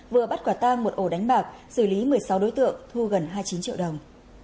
vừa bắt quả tang một ổ đánh bạc xử lý một mươi sáu đối tượng thu gần hai mươi chín triệu đồng